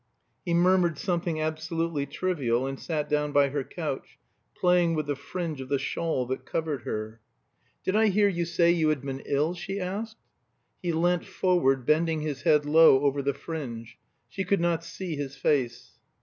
He murmured something absolutely trivial and sat down by her couch, playing with the fringe of the shawl that covered her. "Did I hear you say you had been ill?" she asked. He leant forward, bending his head low over the fringe; she could not see his face.